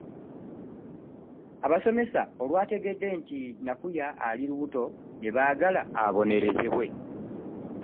Abasomesa olwategedde nti Nakuya ali lubuto ne baagala abonerezebwe.